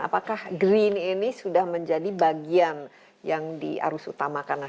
apakah green ini sudah menjadi bagian yang diarus utamakan